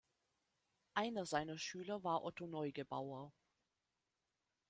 Einer seiner Schüler war Otto Neugebauer.